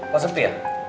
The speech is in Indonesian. mas sepi ya